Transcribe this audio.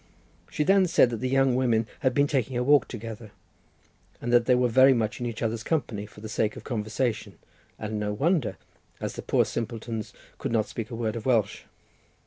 She then said that the young women had been taking a walk together, and that they were much in each other's company for the sake of conversation, and no wonder, as the poor simpletons could not speak a word of Welsh.